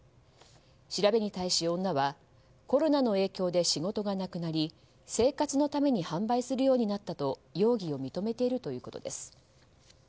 調べに対し、女はコロナの影響で仕事がなくなり生活のために販売するようになったと容疑を認めているということです。